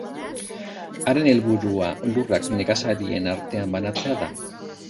Haren helburua lurrak nekazarien artean banatzea da.